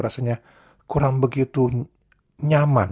rasanya kurang begitu nyaman